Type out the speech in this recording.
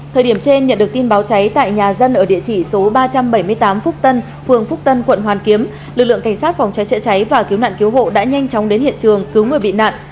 thời điểm trên nhận được tin báo cháy tại nhà dân ở địa chỉ số ba trăm bảy mươi tám phúc tân phường phúc tân quận hoàn kiếm lực lượng cảnh sát phòng cháy chữa cháy và cứu nạn cứu hộ đã nhanh chóng đến hiện trường cứu người bị nạn